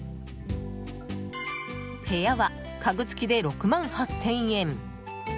部屋は家具付きで６万８０００円。